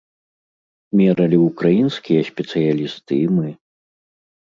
Мералі ўкраінскія спецыялісты і мы.